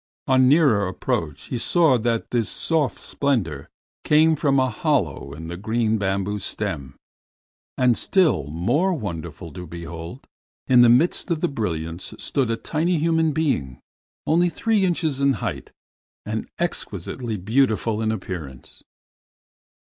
On nearer approach he saw that this soft splendor came from a hollow in the green bamboo stem, and still more wonderful to behold, in the midst of the brilliance stood a tiny human being, only three inches in height, and exquisitely beautiful in appearance.